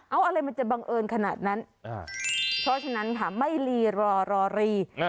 เอาอะไรมันจะบังเอิญขนาดนั้นเพราะฉะนั้นค่ะไม่รีรอรอรี